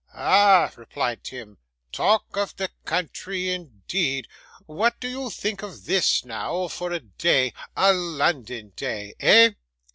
'Ah!' replied Tim, 'talk of the country, indeed! What do you think of this, now, for a day a London day eh?